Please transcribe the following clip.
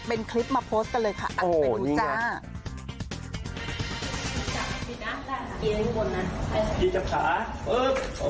เป็นคลิปมาโพสต์กันเลยค่ะไปดูจ้า